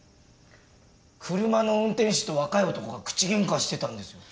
車の運転手と若い男が口ゲンカしてたんです。